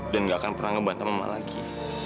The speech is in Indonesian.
dan gak akan pernah ngebantam mama lagi